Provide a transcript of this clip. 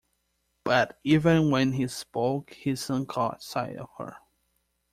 But even while he spoke he soon caught sight of her.